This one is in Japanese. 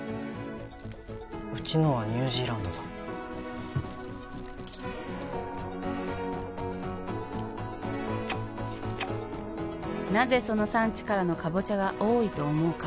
うちのはニュージーランドだ「なぜその産地からのかぼちゃが多いと思うか？」